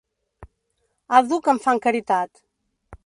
Àdhuc em fan caritat